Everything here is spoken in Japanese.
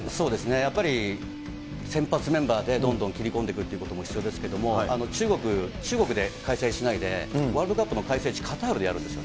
やっぱり、先発メンバーでどんどん切り込んでいくということも必要ですけれども、中国、中国で開催しないで、ワールドカップの開催地、カタールでやるんですよ。